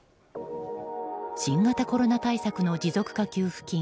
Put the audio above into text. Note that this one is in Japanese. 新型コロナの持続化給付金